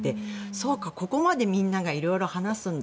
そうか、ここまでみんなが色々話すんだ。